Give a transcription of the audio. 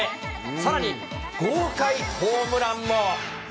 さらに豪快ホームランも。